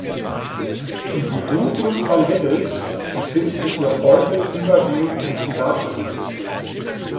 Die Veduten van Wittels befinden sich noch heute überwiegend in Privatbesitz.